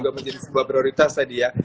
ke sehatan juga menjadi sebuah prioritas tadi ya